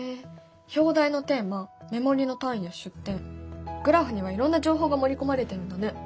表題のテーマ目盛りの単位や出典グラフにはいろんな情報が盛り込まれてるんだね。